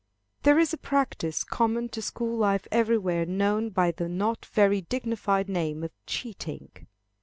There is a practice, common to school life everywhere, known by the not very dignified name of cheating.